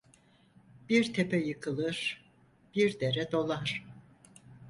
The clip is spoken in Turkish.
Bir tepe yıkılır, bir dere dolar.